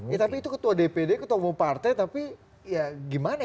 ya tapi itu ketua dpd ketua umum partai tapi ya gimana ya